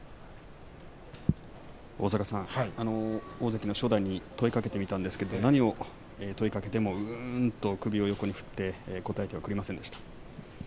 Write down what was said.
大関の正代に問いかけてきましたが何を問いかけてもうーんと首を横に振って答えてはくれませんでした。